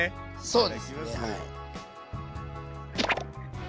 そうですねはい。